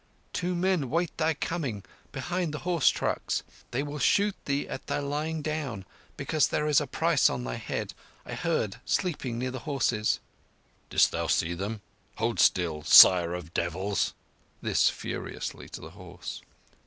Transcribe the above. "Two men wait thy coming behind the horse trucks. They will shoot thee at thy lying down, because there is a price on thy head. I heard, sleeping near the horses." "Didst thou see them? ... Hold still, Sire of Devils!" This furiously to the horse.